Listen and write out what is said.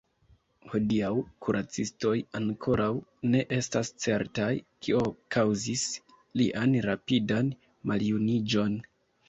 Hodiaŭ kuracistoj ankoraŭ ne estas certaj, kio kaŭzis lian rapidan maljuniĝon.